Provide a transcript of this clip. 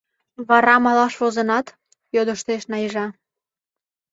— Вара малаш возынат? — йодыштеш Найжа.